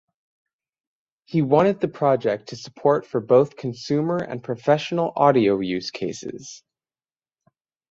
He wanted the project to support for both consumer and professional audio use cases.